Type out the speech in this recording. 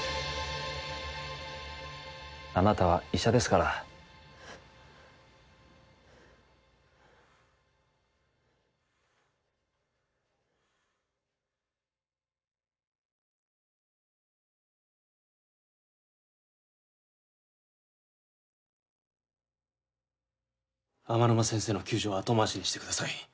あなたは医者ですから天沼先生の救助は後回しにしてください